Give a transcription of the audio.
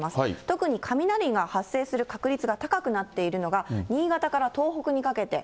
特に雷が発生する確率が高くなっているのが、新潟から東北にかけて。